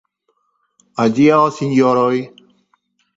Adiaŭ sinjoroj.